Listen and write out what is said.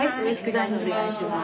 お願いします。